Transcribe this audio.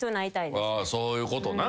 そういうことな。